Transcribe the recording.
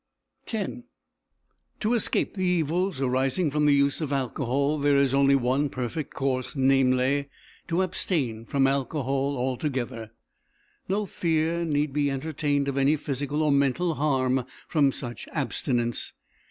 X To escape the evils arising from the use of alcohol there is only one perfect course, namely, to abstain from alcohol altogether. No fear need be entertained of any physical or mental harm from such abstinence.